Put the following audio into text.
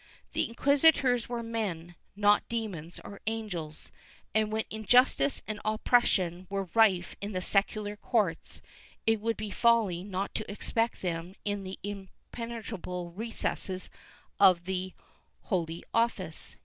The inquisitors were men, not demons or angels, and when injustice and oppression were rife in the secular courts it would be folly not to expect them in the impenetrable recesses of the Holy Office.